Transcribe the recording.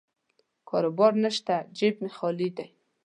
کاروبار نشته، جیب مې خالي دی.